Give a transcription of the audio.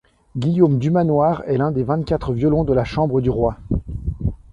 Guillaume Dumanoir est l'un des vingt-quatre violons de la chambre du roi.